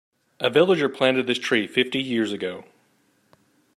A villager planted this tree fifty years ago.